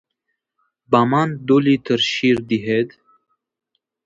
Ба ман ду литр шир диҳед.